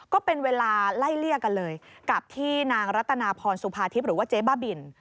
ก็เป็นเวลาไล่เลี่ยกันเลยกับที่นางรัตนาพรสุภาทิพย์หรือว่าเจ๊บ้าบิน